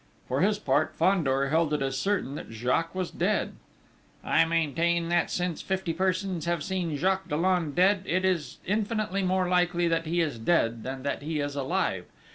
For his part, Fandor held it as certain that Jacques was dead. "I maintain that, since fifty persons have seen Jacques Dollon dead, it is infinitely more likely that he is dead than that he is alive!